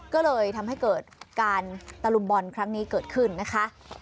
ก็เลยทำให้เกิดการตะลุมบอลครั้งนี้เกิดขึ้นนะคะ